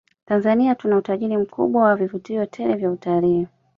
Tanzania tuna utajiri mkubwa wa vivutio tele vya utalii